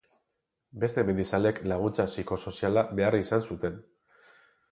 Beste mendizaleek laguntza psikosoziala behar izan zuten.